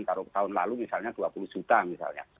kalau tahun lalu misalnya dua puluh juta misalnya